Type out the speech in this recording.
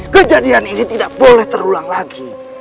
kejadian ini tidak boleh terulang lagi